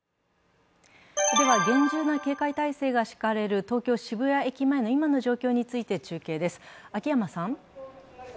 厳重な警戒態勢が敷かれる東京・渋谷駅前の今の状況について、中継です。